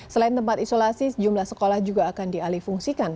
selain tempat isolasi jumlah sekolah juga akan dialih fungsikan